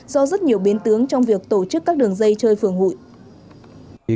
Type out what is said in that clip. do rất nhiều biến tướng trong việc tổ chức các đường dây chơi phưởng hội